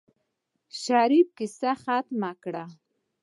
شريف کيسه ختمه کړه.